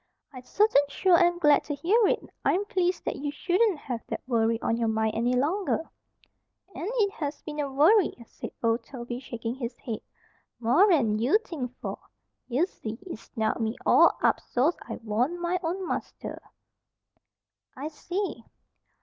"I certain sure am glad to hear it! I'm pleased that you shouldn't have that worry on your mind any longer." "And it has been a worry," said Old Toby, shaking his head. "More'n you think for. Ye see, it snarled me all up so's I warn't my own master." "I see."